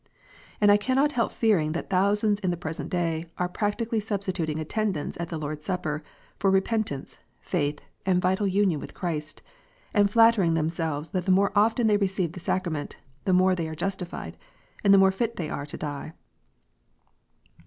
And I cannot help fearing that thousands in the present day are practically substituting attendance at the Lord s Supper for repentance, faith, and vital union with Christ, and flattering themselves that the more often they receive the Sacrament, the more they are justified, and the more fit they are to die.